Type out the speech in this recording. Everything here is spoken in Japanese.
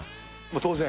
当然？